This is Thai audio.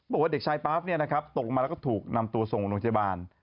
บอกว่าเด็กชายป๊าฟตกลงมาแล้วก็ถูกนำตัวส่งโรงพยาบาล